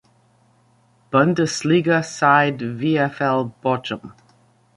Bundesliga side VfL Bochum.